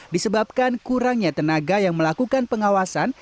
disebabkan kurangnya tenaga yang melakukan pengawasan